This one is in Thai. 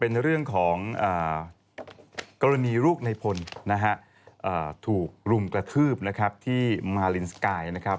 เป็นเรื่องของกรณีลูกในพลนะฮะถูกรุมกระทืบนะครับที่มารินสกายนะครับ